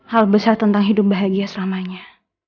hal besar tentang hidup bahagia selamanya